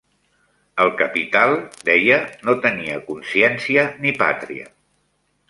"El capital", deia, "no tenia consciència ni pàtria".